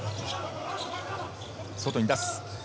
外に出す。